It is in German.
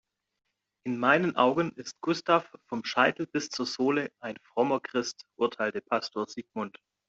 In meinen Augen ist Gustav vom Scheitel bis zur Sohle ein frommer Christ, urteilte Pastor Sigmund.